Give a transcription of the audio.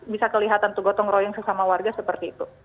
bisa kelihatan itu gotong royong sesama warga seperti itu